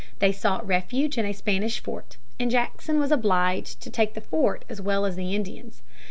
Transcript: They sought refuge in a Spanish fort, and Jackson was obliged to take the fort as well as the Indians.